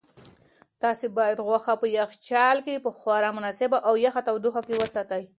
تاسو باید غوښه په یخچال کې په خورا مناسبه او یخه تودوخه کې وساتئ.